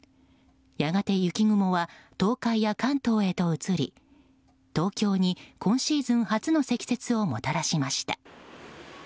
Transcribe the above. やがて雪雲は東海や関東へと移り東京に今シーズン初の積雪をもたらしました。